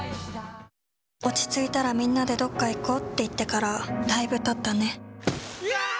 落ち着いたらみんなでどっか行こうって言ってから、だいぶ経ったね。